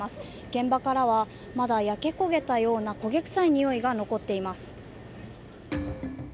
現場からは、まだ焼け焦げたような焦げ臭いにおいが残っています。